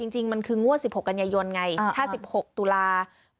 จริงมันคืองวด๑๖กันยายนไงถ้า๑๖ตุลาคม